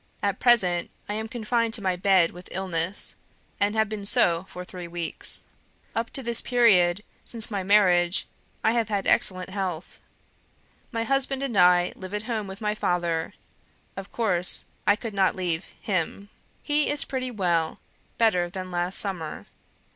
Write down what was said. At present I am confined to my bed with illness, and have been so for three weeks. Up to this period, since my marriage, I have had excellent health. My husband and I live at home with my father; of course, I could not leave HIM. He is pretty well, better than last summer.